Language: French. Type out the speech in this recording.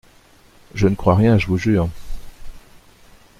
Je ne crois rien, je vous jure.